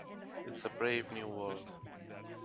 It's a brave new world.